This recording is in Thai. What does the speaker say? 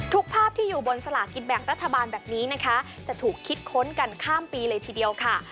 ภาพที่อยู่บนสลากินแบ่งรัฐบาลแบบนี้นะคะจะถูกคิดค้นกันข้ามปีเลยทีเดียวค่ะ